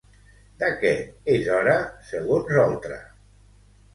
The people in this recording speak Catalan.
De què és hora, segons Oltra?